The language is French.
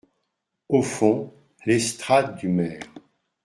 Au fond, l’estrade du maire.